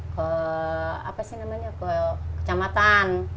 ke apa sih namanya ke kecamatan